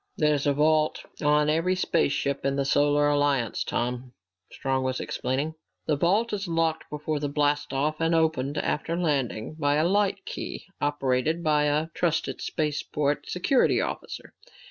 "There is a vault on every spaceship in the Solar Alliance, Tom," Strong was explaining. "The vault is locked before blast off and opened after landing by a light key operated only by a trusted spaceport security officer.